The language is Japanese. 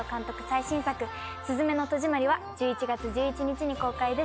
最新作『すずめの戸締まり』は１１月１１日に公開です。